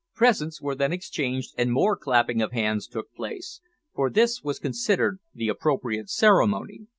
Presents were then exchanged, and more clapping of hands took place, for this was considered the appropriate ceremony.